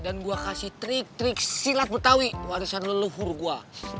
dan gue kasih trik trik silat betawi warisan leluhur gue